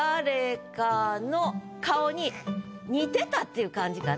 似てたっていう感じかな？